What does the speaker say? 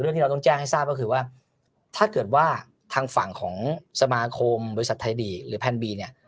ที่เราต้องแจ้งให้ทราบก็คือว่าถ้าเกิดว่าทางฝั่งของสมาคมบริษัทไทยลีกหรือแพนบีเนี่ย